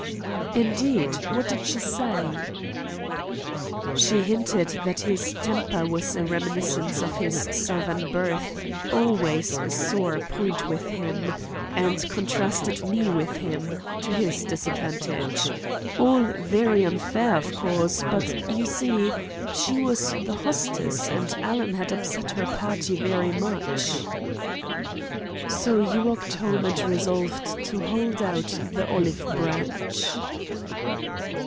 "Indeed. What did she say?" "She hinted that his temper was a reminiscence of his Southern birth, always a sore point with him, and contrasted me with him, to his disadvantage. All very unfair, of course, but, you see, she was the hostess, and Alan had upset her party very much." "So you walked home, and resolved to hold out the olive branch?"